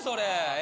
え？